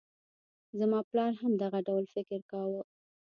زما پلار هم دغه ډول فکر کاوه.